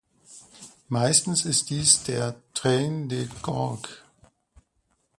Meistens ist dies der „Train des Gorges“.